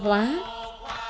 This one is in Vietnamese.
hò sông mã